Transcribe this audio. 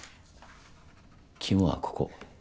肝はここ。